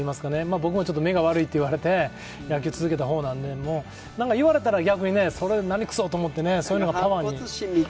僕も目が悪いと言われて野球を続けた方なので、言われたら逆に、それでなにくそと思ってそれがパワーに。